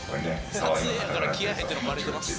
撮影やから気合入ってるのバレてます。